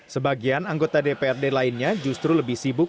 sebagian anggota dprd lainnya justru lebih sibuk